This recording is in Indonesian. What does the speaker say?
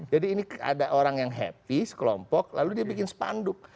jadi ini ada orang yang happy sekelompok lalu dia bikin sepanduk